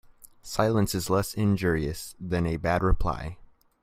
Silence is less injurious than a bad reply.